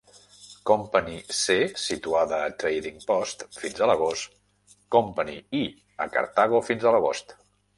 Company C situada a Trading Post fins a l'agost, Company I a Cartago fins a l'agost.